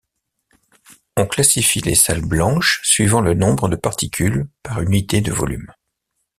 On classifie les salles blanches suivant le nombre de particules par unité de volume.